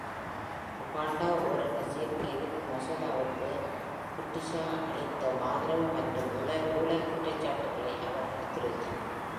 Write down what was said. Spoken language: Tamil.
உகாண்டா ஓரின சேர்க்கை எதிர்ப்பு மசோதாவுக்கு Kutesaஅளித்த ஆதரவு மற்றும் ஊழல் குற்றச்சாட்டுகளை அவர் எடுத்துரைத்தார்.